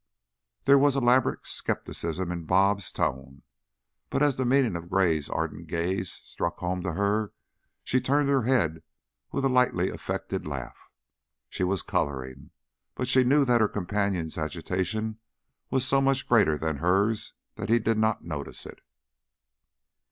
_" There was an elaborate skepticism in "Bob's" tone, but as the meaning of Gray's ardent gaze struck home to her, she turned her head with a lightly affected laugh. She was coloring, but she knew that her companion's agitation was so much greater than hers that he did not notice it.